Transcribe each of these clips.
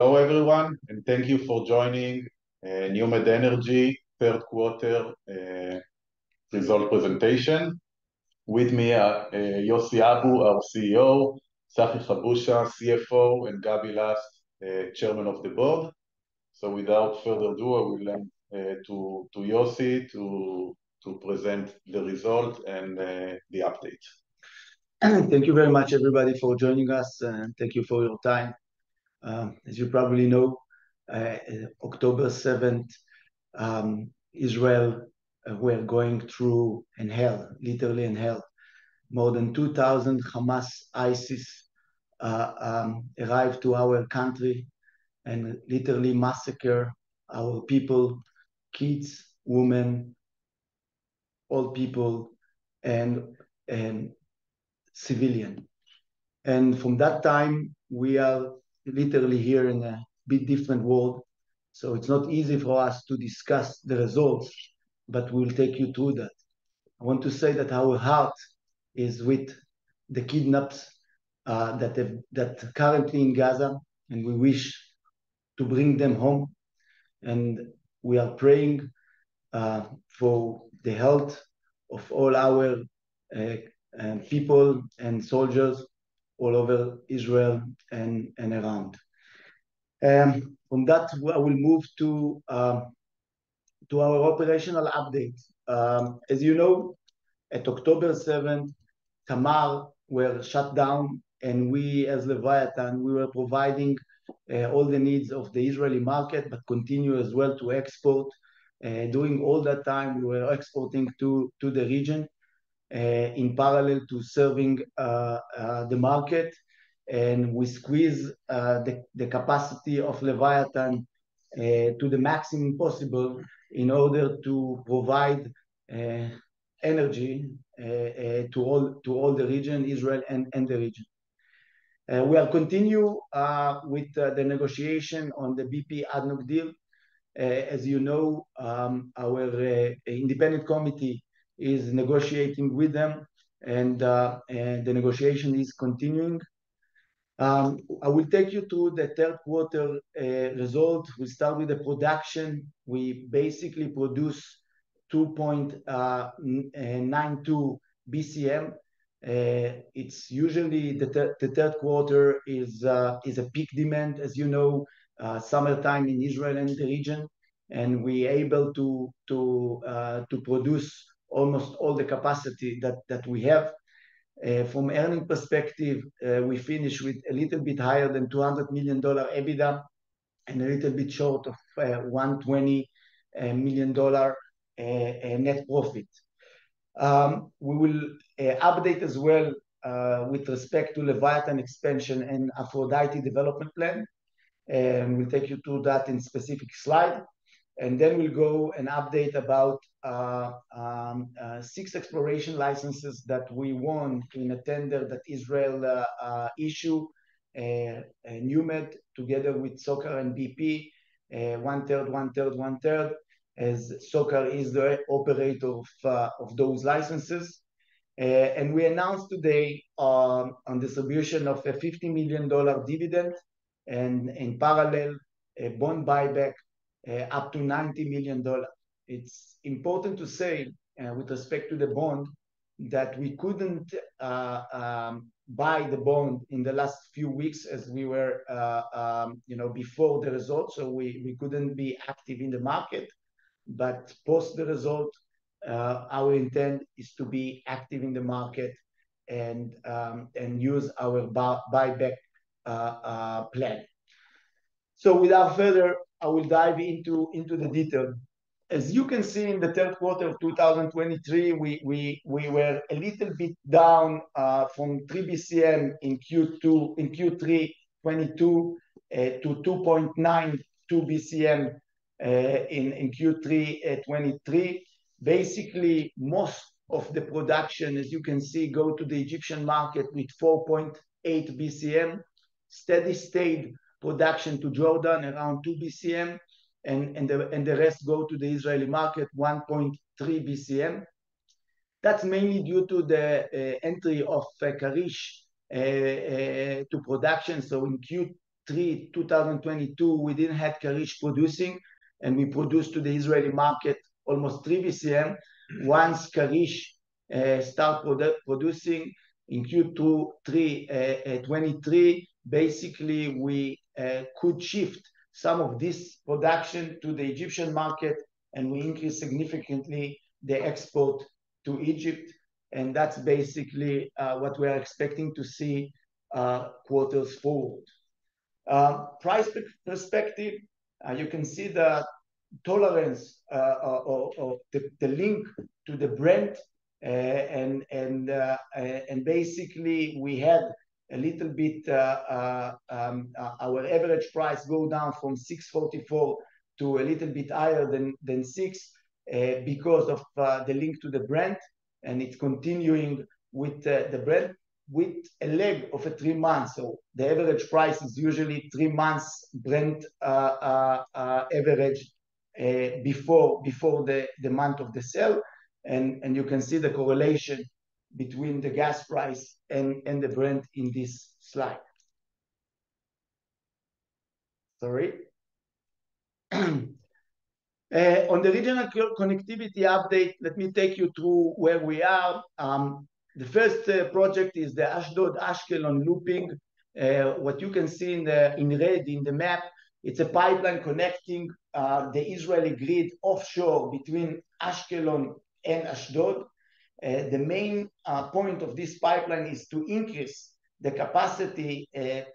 Hello, everyone, and thank you for joining NewMed Energy third quarter result presentation. With me, Yossi Abu, our CEO, Tzachi Habusha, CFO, and Gabriel Last, chairman of the board. So without further ado, I will hand to Yossi to present the results and the update. Thank you very much, everybody, for joining us, and thank you for your time. As you probably know, October 7th, Israel, we're going through in hell, literally in hell. More than 2,000 Hamas, ISIS, arrived to our country and literally massacre our people, kids, women, old people, and civilians. From that time, we are literally here in a bit different world, so it's not easy for us to discuss the results, but we'll take you through that. I want to say that our heart is with the kidnapped that currently in Gaza, and we wish to bring them home, and we are praying for the health of all our people and soldiers all over Israel and around. From that, we'll move to our operational updates. As you know, at October 7th, Tamar were shut down, and we as Leviathan, we were providing all the needs of the Israeli market, but continue as well to export. During all that time, we were exporting to the region, in parallel to serving the market, and we squeeze the capacity of Leviathan to the maximum possible in order to provide energy to all the region, Israel and the region. We are continue with the negotiation on the BP ADNOC deal. As you know, our independent committee is negotiating with them, and the negotiation is continuing. I will take you through the third quarter result. We start with the production. We basically produce 2.92 BCM. It's usually the third quarter is a peak demand, as you know, summertime in Israel and the region, and we able to produce almost all the capacity that we have. From earnings perspective, we finish with a little bit higher than $200 million EBITDA and a little bit short of $120 million net profit. We will update as well with respect to Leviathan expansion and Aphrodite development plan, and we'll take you through that in specific slide. And then we'll go and update about six exploration licenses that we won in a tender that Israel issued, NewMed, together with SOCAR and BP, 1/3, 1/3, 1/3, as SOCAR is the operator of those licenses. And we announced today, on distribution of a $50 million dividend, and in parallel, a bond buyback, up to $90 million. It's important to say, with respect to the bond, that we couldn't buy the bond in the last few weeks as we were, you know, before the results, so we couldn't be active in the market. But post the result, our intent is to be active in the market and use our buyback plan. So without further, I will dive into the detail. As you can see, in the third quarter of 2023, we were a little bit down, from 3 BCM in Q3 2022 to 2.92 BCM in Q3 2023. Basically, most of the production, as you can see, go to the Egyptian market with 4.8 BCM, steady state production to Jordan around 2 BCM, and the rest go to the Israeli market, 1.3 BCM. That's mainly due to the entry of Karish to production. So in Q3 2022, we didn't have Karish producing, and we produced to the Israeli market almost 3 BCM. Once Karish start producing in Q3 2023, basically, we could shift some of this production to the Egyptian market, and we increased significantly the export to Egypt, and that's basically what we are expecting to see quarters forward. Price perspective, you can see the tolerance of the link to the Brent. Basically, we had a little bit our average price go down from $6.44 to a little bit higher than $6 because of the link to the Brent, and it's continuing with the Brent with a lag of three months. So the average price is usually three months Brent average before the month of the sale. And you can see the correlation between the gas price and the Brent in this slide. Sorry. On the regional connectivity update, let me take you to where we are. The first project is the Ashdod-Ashkelon looping. What you can see in red in the map, it's a pipeline connecting the Israeli grid offshore between Ashkelon and Ashdod. The main point of this pipeline is to increase the capacity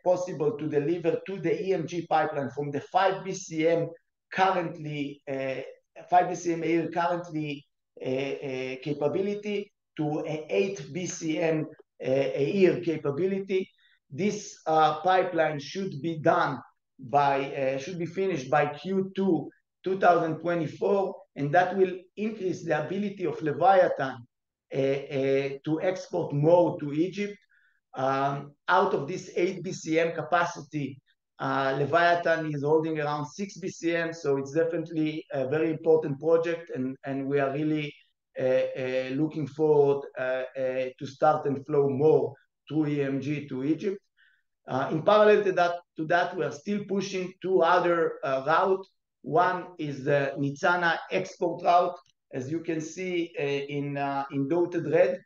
possible to deliver to the EMG pipeline from the 5 BCM currently, 5 BCM a year currently, a capability to a 8 BCM a year capability. This pipeline should be done by, should be finished by Q2 2024, and that will increase the ability of Leviathan to export more to Egypt. Out of this 8 BCM capacity, Leviathan is holding around 6 BCM, so it's definitely a very important project, and we are really looking forward to start and flow more through EMG to Egypt. In parallel to that, we are still pushing two other route. One is the Mizrah export route. As you can see, in dotted red,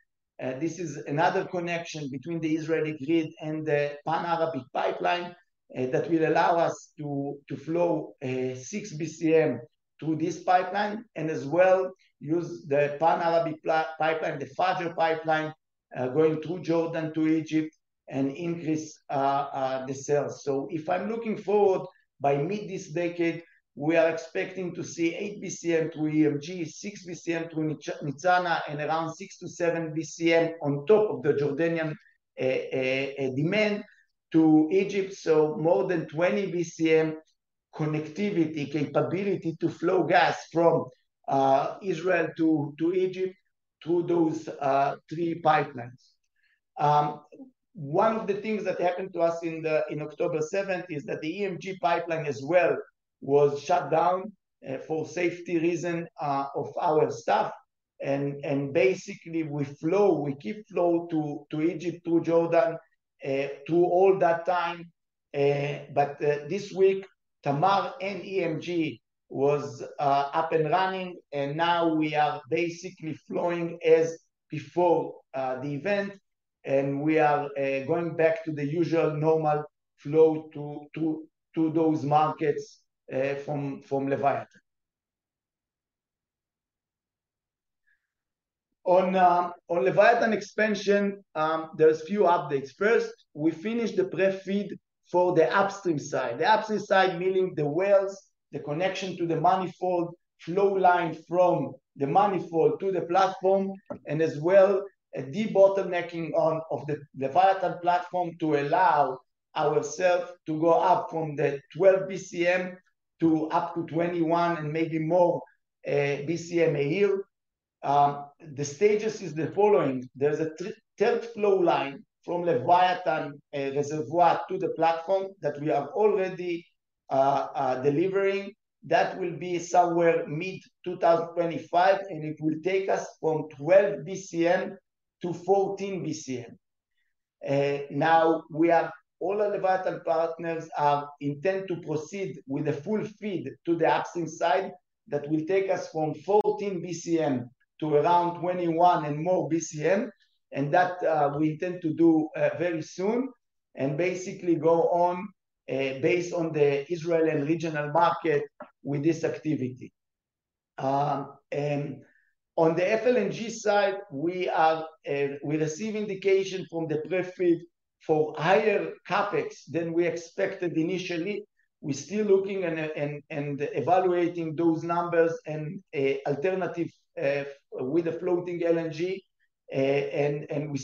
this is another connection between the Israeli grid and the Pan-Arab Pipeline that will allow us to flow 6 BCM through this pipeline and as well use the Pan-Arab Pipeline, the Arab pipeline, going through Jordan to Egypt and increase the sales. So if I'm looking forward, by mid this decade, we are expecting to see 8 BCM through EMG, 6 BCM through Mizrah, and around 6-7 BCM on top of the Jordanian demand to Egypt, so more than 20 BCM connectivity capability to flow gas from Israel to Egypt through those three pipelines. One of the things that happened to us in October 7th is that the EMG pipeline as well was shut down for safety reason of our staff, and basically we flow, we keep flow to Egypt, through Jordan through all that time. But this week, Tamar and EMG was up and running, and now we are basically flowing as before the event, and we are going back to the usual normal flow to those markets from Leviathan. On Leviathan expansion, there's few updates. First, we finished the pre-feed for the upstream side. The upstream side meaning the wells, the connection to the manifold, flow line from the manifold to the platform, and as well, a de-bottlenecking of the Leviathan platform to allow ourself to go up from 12 BCM to up to 21 and maybe more BCM a year. The stages is the following: there's a third flow line from Leviathan reservoir to the platform that we are already delivering. That will be somewhere mid-2025, and it will take us from 12 BCM to 14 BCM. Now, we are all Leviathan partners intend to proceed with a full FEED to the upstream side that will take us from 14 BCM to around 21 and more BCM, and that we intend to do very soon and basically go on based on the Israeli regional market with this activity. And on the FLNG side, we are, we receive indication from the pre-FEED for higher CapEx than we expected initially. We're still looking and evaluating those numbers and alternative with the floating LNG, and we're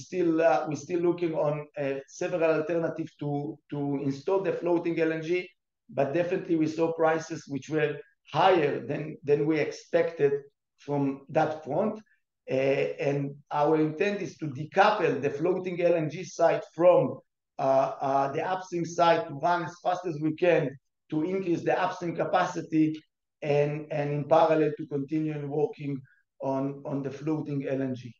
still looking on several alternatives to install the floating LNG, but definitely we saw prices which were higher than we expected from that front. And our intent is to decouple the floating LNG site from the upstream site, to run as fast as we can to increase the upstream capacity and in parallel, to continue working on the floating LNG.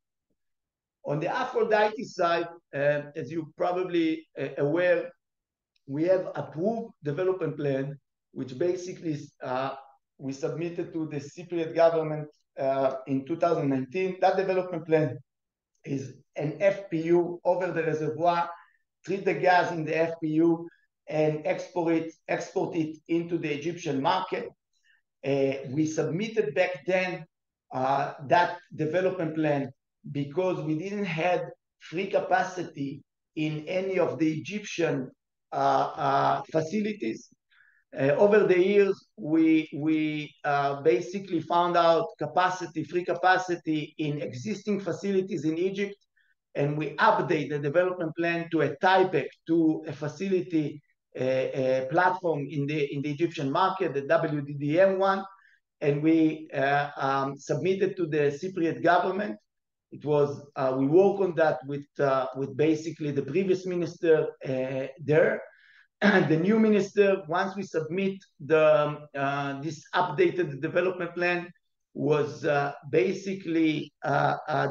On the Aphrodite side, as you're probably aware, we have approved development plan, which basically is, we submitted to the Cypriot government in 2019. That development plan is an FPU over the reservoir, treat the gas in the FPU, and export it, export it into the Egyptian market. We submitted back then that development plan because we didn't have free capacity in any of the Egyptian facilities. Over the years, we basically found free capacity in existing facilities in Egypt, and we update the development plan to a tie-back, to a facility platform in the Egyptian market, the WDDM one, and we submitted to the Cypriot government. It was... We worked on that with basically the previous minister there. The new minister, once we submit this updated development plan, was, basically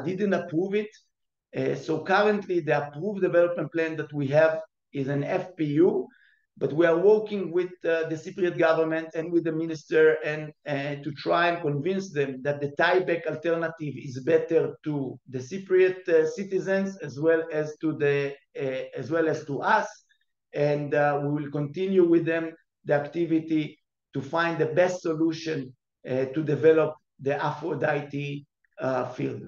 didn't approve it. So currently the approved development plan that we have is an FPU, but we are working with the Cypriot government and with the minister to try and convince them that the tie-back alternative is better to the Cypriot citizens, as well as to us. We will continue with them the activity to find the best solution to develop the Aphrodite field.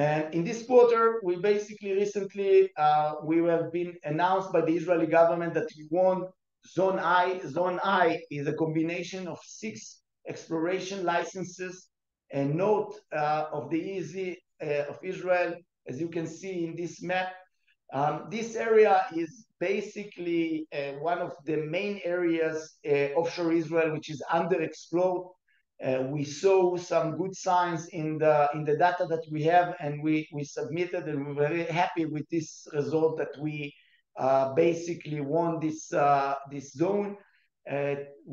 And in this quarter, we basically recently we have been announced by the Israeli government that we won Zone I. Zone I is a combination of six exploration licenses and north of Israel, as you can see in this map. This area is basically one of the main areas offshore Israel, which is underexplored. We saw some good signs in the data that we have, and we submitted, and we're very happy with this result that we basically won this zone.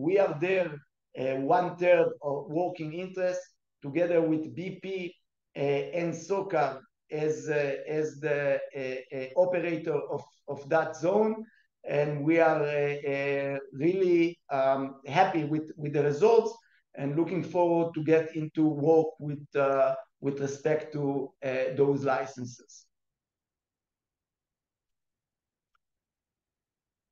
We have there 1/3 of working interest together with BP and SOCAR as the operator of that zone. And we are really happy with the results and looking forward to get into work with respect to those licenses.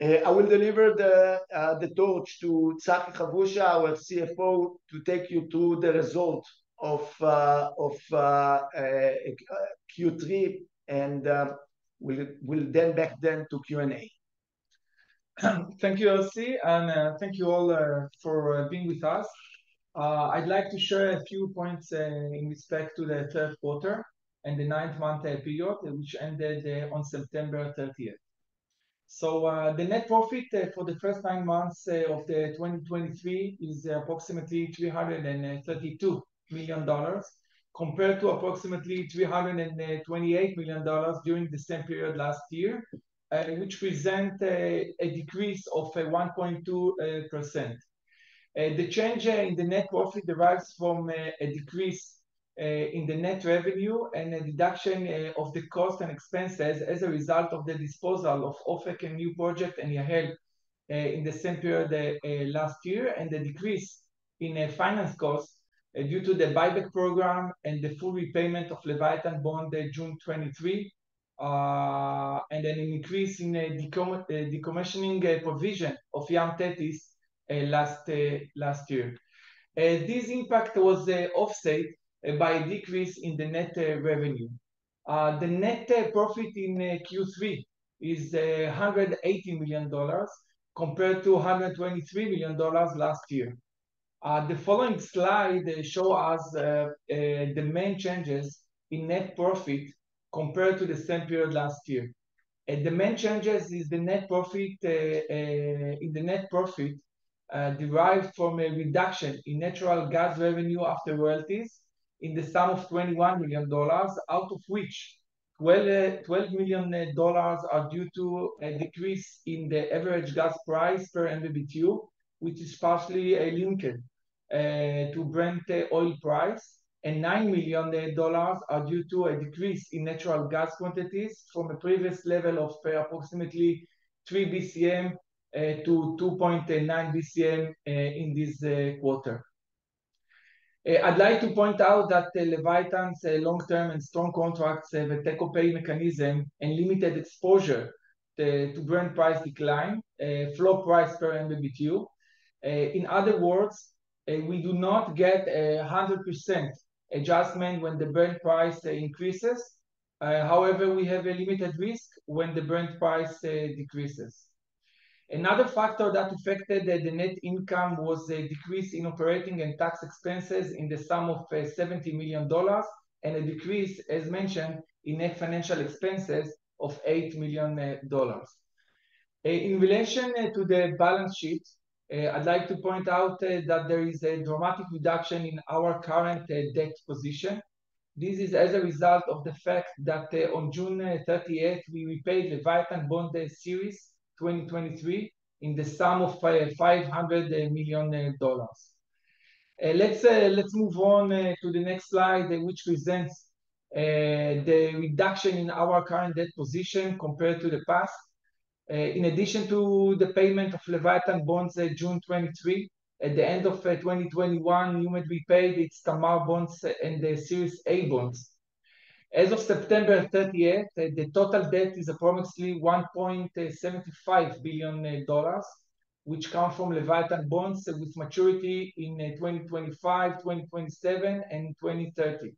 I will deliver the torch to Tzachi Habusha, our CFO, to take you to the result of Q3, and we'll then back then to Q&A. Thank you, Yossi, and thank you all for being with us. I'd like to share a few points in respect to the third quarter and the ninth month period, which ended on September 30th. So, the net profit for the first nine months of 2023 is approximately $332 million, compared to approximately $328 million during the same period last year, which present a decrease of 1.2%. The change in the net profit derives from a decrease in the net revenue and a deduction of the cost and expenses as a result of the disposal of Ofek a new project, and Yahel in the same period last year, and the decrease in finance costs due to the buyback program and the full repayment of Leviathan Bond, June 2023. And then an increase in the decommissioning provision of Yam Tethys last year. This impact was offset by a decrease in the net revenue. The net profit in Q3 is $180 million, compared to $123 million last year. The following slide show us the main changes in net profit compared to the same period last year. The main changes is the net profit, in the net profit, derived from a reduction in natural gas revenue after royalties in the sum of $21 million, out of which $12 million are due to a decrease in the average gas price per MMBtu, which is partially linked to Brent oil price, and $9 million are due to a decrease in natural gas quantities from a previous level of approximately 3 BCM to 2.9 BCM in this quarter. I'd like to point out that the Leviathan's long-term and strong contracts have a take-or-pay mechanism and limited exposure to Brent price decline floor price per MMBtu. In other words, we do not get 100% adjustment when the Brent price increases. However, we have a limited risk when the Brent price decreases. Another factor that affected the net income was a decrease in operating and tax expenses in the sum of $70 million, and a decrease, as mentioned, in net financial expenses of $8 million. In relation to the balance sheet, I'd like to point out that there is a dramatic reduction in our current debt position. This is as a result of the fact that on June 30th, we repaid the Leviathan Bond series 2023, in the sum of $500 million. Let's move on to the next slide, which presents the reduction in our current debt position compared to the past. In addition to the payment of Leviathan bonds June 2023, at the end of 2021, we would repay the Tamar bonds and the Series A bonds. As of September 30, the total debt is approximately $1.75 billion, which come from Leviathan bonds with maturity in 2025, 2027, and 2030.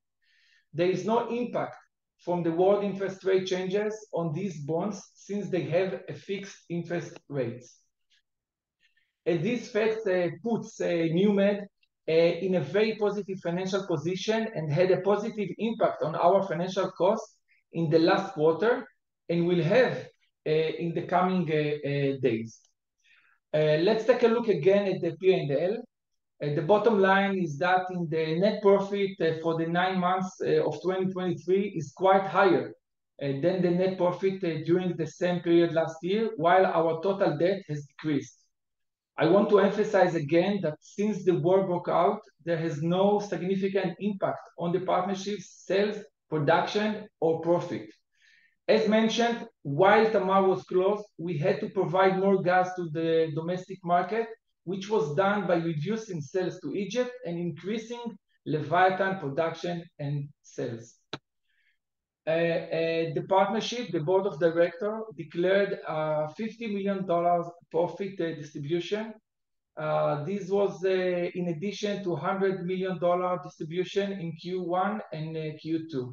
There is no impact from the world interest rate changes on these bonds, since they have a fixed interest rates. And this fact puts NewMed in a very positive financial position and had a positive impact on our financial costs in the last quarter, and will have in the coming days. Let's take a look again at the P&L. The bottom line is that in the net profit for the nine months of 2023 is quite higher than the net profit during the same period last year, while our total debt has decreased. I want to emphasize again that since the war broke out, there has no significant impact on the partnership's sales, production, or profit. As mentioned, while Tamar was closed, we had to provide more gas to the domestic market, which was done by reducing sales to Egypt and increasing Leviathan production and sales. The partnership, the Board of Directors declared, $50 million profit distribution. This was in addition to $100 million distribution in Q1 and Q2.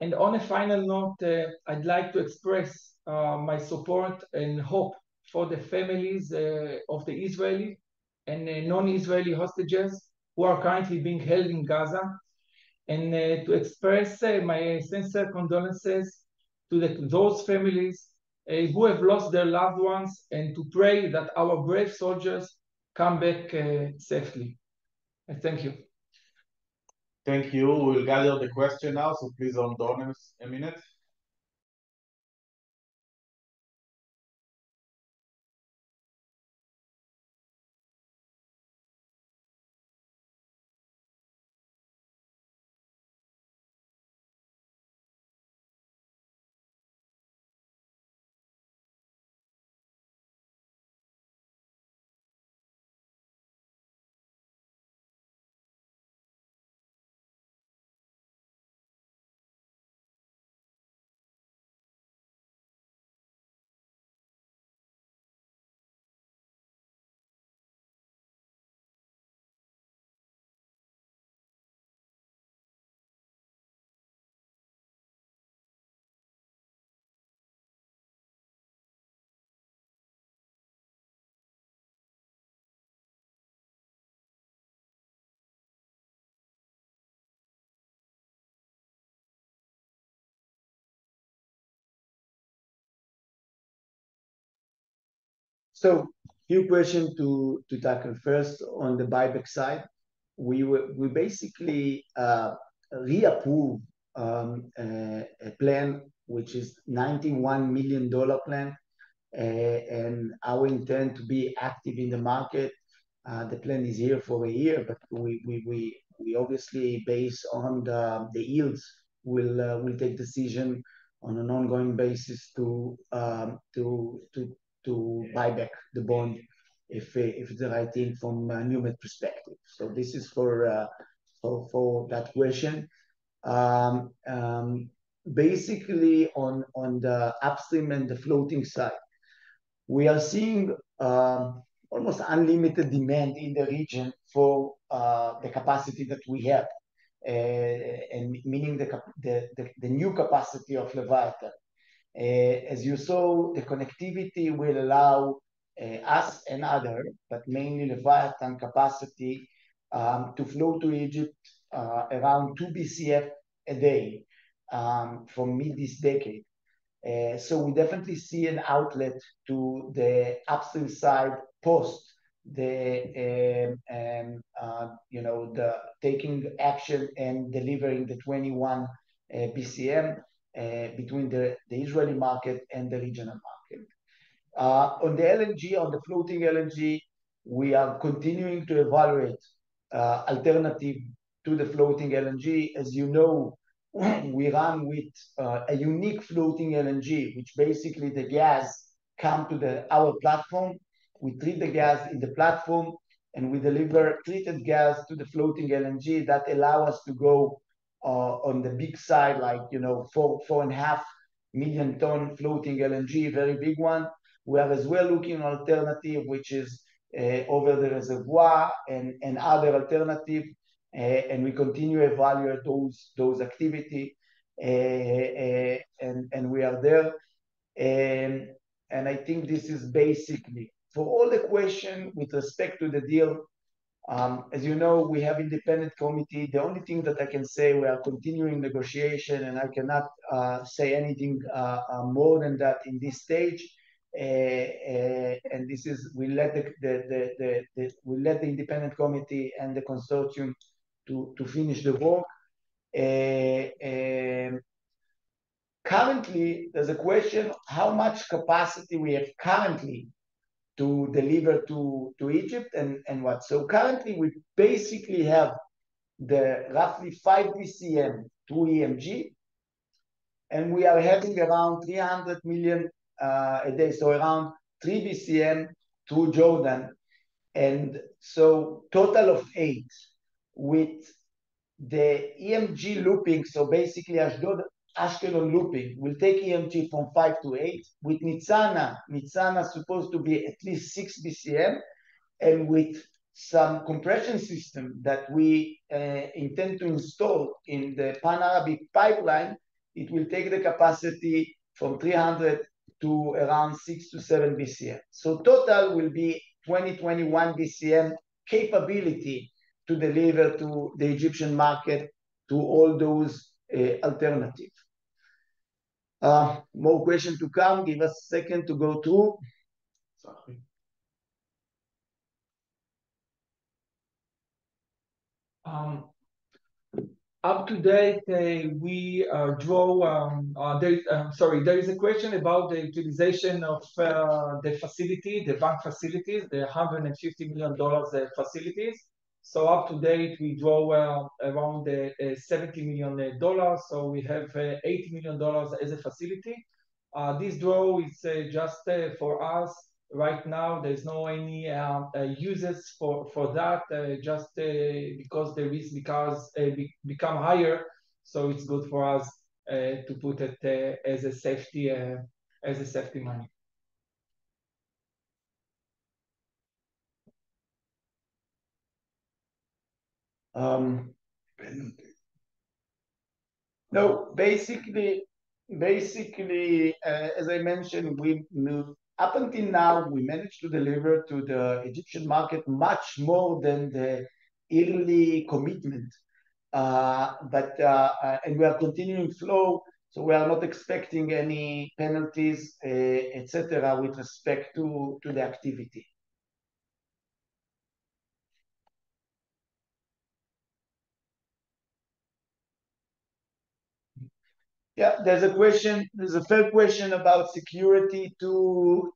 And on a final note, I'd like to express my support and hope for the families of the Israeli and the non-Israeli hostages who are currently being held in Gaza, and to express my sincere condolences to those families who have lost their loved ones, and to pray that our brave soldiers come back safely. Thank you. Thank you. We'll gather the question now, so please hold on a minute. So a few questions to tackle. First, on the buyback side, we basically reapprove a plan which is $91 million plan, and our intent to be active in the market. The plan is here for a year, but we obviously, based on the yields, will take decision on an ongoing basis to buy back the bond if the right thing from NewMed perspective. So this is for that question. Basically, on the upstream and the floating side, we are seeing almost unlimited demand in the region for the capacity that we have, and meaning the new capacity of Leviathan. As you saw, the connectivity will allow, us and other, but mainly Leviathan capacity, to flow to Egypt, around 2 BCF a day, for mid this decade. So we definitely see an outlet to the upstream side post the, you know, the taking action and delivering the 21 BCM, between the, the Israeli market and the regional market. On the LNG, on the floating LNG, we are continuing to evaluate, alternative to the floating LNG. As you know, we run with, a unique floating LNG, which basically the gas come to the, our platform. We treat the gas in the platform, and we deliver treated gas to the floating LNG that allow us to go, on the big side, like, you know, 4.5 million ton floating LNG, very big one. We have as well looking alternative, which is over the reservoir and other alternative, and we continue evaluate those activity, and we are there. And I think this is basically... For all the question with respect to the deal, as you know, we have independent committee. The only thing that I can say, we are continuing negotiation, and I cannot say anything more than that in this stage. And this is - we let the independent committee and the consortium to finish the work. Currently, there's a question, how much capacity we have currently to deliver to Egypt and what? So currently, we basically have roughly 5 BCM through EMG, and we are having around 300 million a day, so around 3 BCM through Jordan, and so total of 8 with the EMG looping. So basically, Ashdod-Ashkelon looping will take EMG from 5 to 8. With Nitzana, Nitzana is supposed to be at least 6 BCM, and with some compression system that we intend to install in the Pan-Arab Pipeline, it will take the capacity from 300 to around 6-7 BCM. So total will be 20-21 BCM capability to deliver to the Egyptian market, to all those alternative. More question to come. Give us a second to go through. Sorry, there is a question about the utilization of the facility, the bank facilities, the $150 million facilities. So up to date, we draw, well, around $70 million, so we have $80 million as a facility. This draw is just for us. Right now, there's no any users for that, just because the risk becomes, become higher, so it's good for us to put it as a safety, as a safety money. No, basically, as I mentioned, up until now, we managed to deliver to the Egyptian market much more than the yearly commitment. But we are continuing slow, so we are not expecting any penalties, et cetera, with respect to the activity. Yeah, there's a third question about security to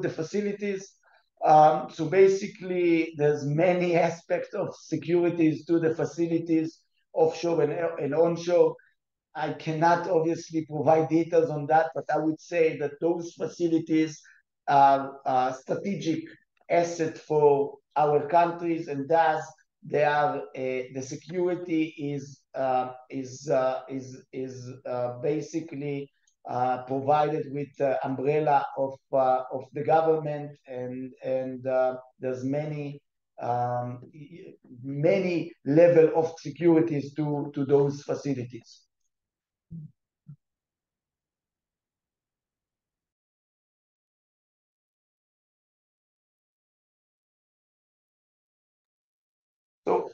the facilities. So basically, there's many aspects of securities to the facilities, offshore and onshore. I cannot obviously provide details on that, but I would say that those facilities are strategic asset for our countries, and thus they are, the security is basically provided with the umbrella of the government, and there's many levels of securities to those facilities.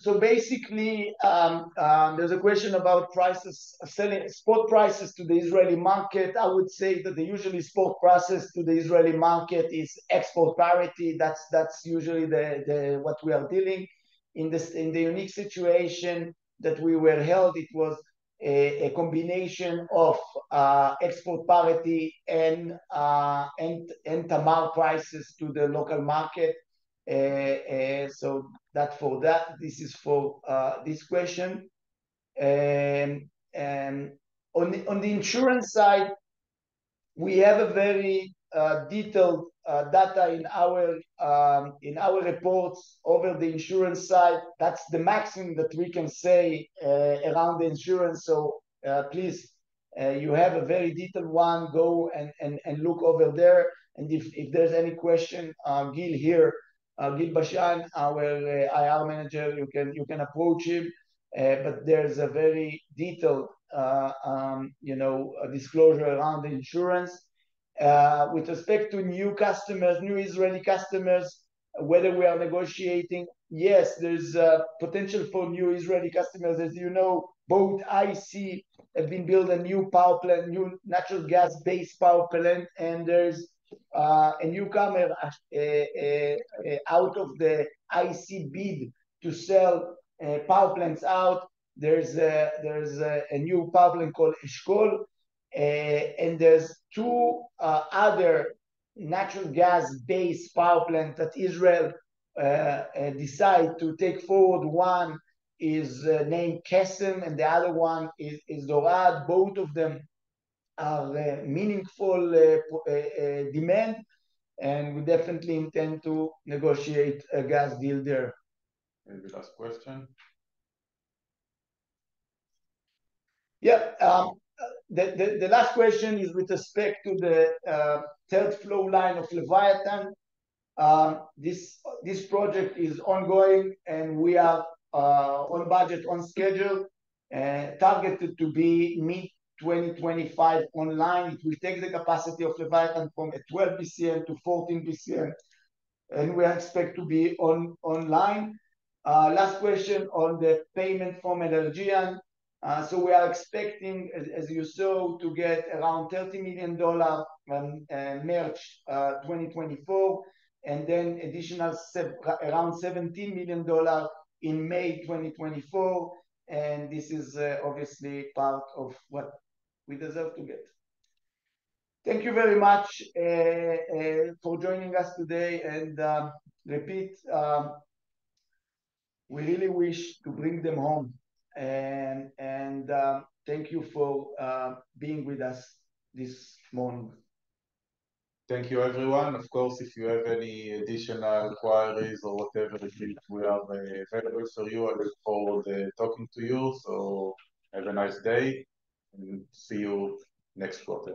So basically, there's a question about prices, selling spot prices to the Israeli market. I would say that the usual spot prices to the Israeli market is export parity. That's usually what we are dealing. In this unique situation that we were held, it was a combination of export parity and Tamar prices to the local market. So, for that, this is for this question. And, on the insurance side, we have a very detailed data in our reports over the insurance side. That's the maximum that we can say around the insurance. So, please, you have a very detailed one, go and look over there, and if there's any question, Guil here, Guil Bashan, our IR manager, you can approach him. But there's a very detailed, you know, a disclosure around the insurance. With respect to new customers, new Israeli customers, whether we are negotiating, yes, there's a potential for new Israeli customers. As you know, both IEC have been build a new power plant, new natural gas-based power plant, and there's a newcomer out of the IEC bid to sell power plants out. There's a new power plant called Eshkol, and there's two other natural gas-based power plant that Israel decide to take forward. One is named Kesem, and the other one is Dorad. Both of them are a meaningful demand, and we definitely intend to negotiate a gas deal there. The last question. Yeah, the last question is with respect to the third flow line of Leviathan. This project is ongoing, and we are on budget, on schedule, targeted to be mid-2025 online. It will take the capacity of Leviathan from 12 BCF to 14 BCF, and we expect to be online. Last question on the payment from Energean. So we are expecting, as you saw, to get around $30 million on March 2024, and then additional around $17 million in May 2024, and this is obviously part of what we deserve to get. Thank you very much for joining us today, and repeat, we really wish to bring them home, and thank you for being with us this morning. Thank you, everyone. Of course, if you have any additional inquiries or whatever, we are available for you. I look forward to talking to you. So have a nice day, and see you next quarter.